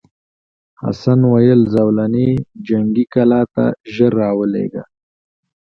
حسن وویل زولنې جنګي کلا ته ژر راولېږه.